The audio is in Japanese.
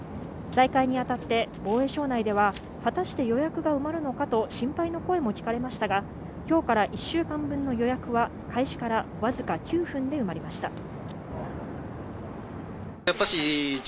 再開に当たって防衛省内では果たして予約が埋まるのかと心配の声も聞かれましたが、今日から１週間分の予約は開始からわずか９分で埋まりました。